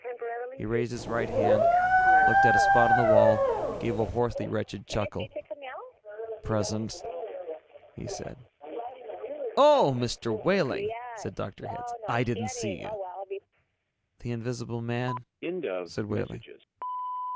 He raised his right hand, looked at a spot on the wall, gave a hoarsely wretched chuckle. "Present," he said. "Oh, Mr. Wehling," said Dr. Hitz, "I didn't see you." "The invisible man," said Wehling.